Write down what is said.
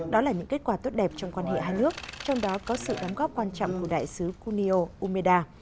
đó là những kết quả tốt đẹp trong quan hệ hai nước trong đó có sự đóng góp quan trọng của đại sứ kunio umeda